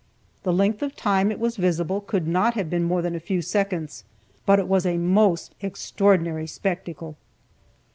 The length of time it was visible could not have been more than a few seconds, but it was a most extraordinary spectacle.